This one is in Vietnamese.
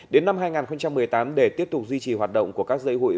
đến năm hai nghìn một mươi tám để tiếp tục duy trì hoạt động của các dây hội